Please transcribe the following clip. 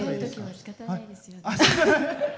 しかたないですよね。